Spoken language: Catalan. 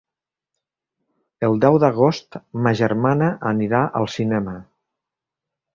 El deu d'agost ma germana anirà al cinema.